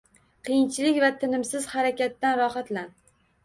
Qiyinchilik va tinimsiz harakatdan rohatlan